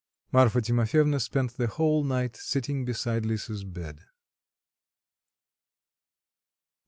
Marfa Timofyevna spent the whole night sitting beside Lisa's bed.